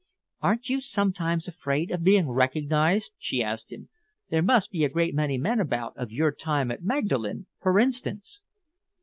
"Aren't you sometimes afraid of being recognised?" she asked him. "There must be a great many men about of your time at Magdalen, for instance?"